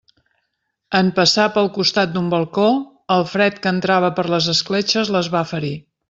En passar pel costat d'un balcó, el fred que entrava per les escletxes les va ferir.